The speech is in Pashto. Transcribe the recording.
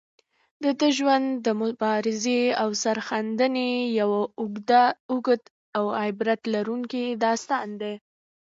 د ده ژوند د مبارزې او سرښندنې یو اوږد او عبرت لرونکی داستان دی.